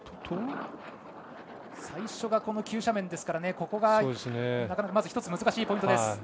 最初が急斜面ですからここが１つ難しいポイントです。